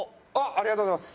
ありがとうございます。